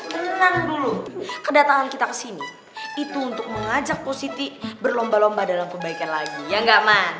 tenang dulu kedatangan kita kesini itu untuk mengajak positif berlomba lomba dalam kebaikan lagi ya nggak mas